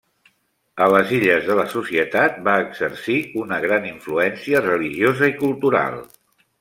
A les illes de la Societat, va exercir una gran influència religiosa i cultural.